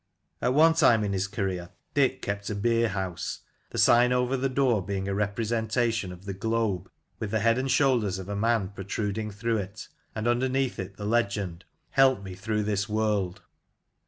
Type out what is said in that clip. At one time in his career Dick kept a beer house, the sign over the door being a representation of the globe, with the head and shoulders of a man protruding through it, and underneath it the legend, " Help me through this world